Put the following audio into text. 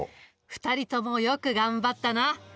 ２人ともよく頑張ったな。